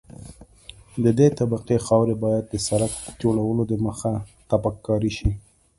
د دې طبقې خاوره باید د سرک جوړولو دمخه تپک کاري شي